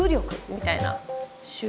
みたいな。